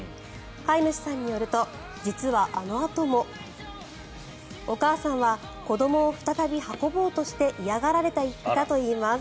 飼い主さんによると実はあのあともお母さんは子どもを再び運ぼうとして嫌がられていたといいます。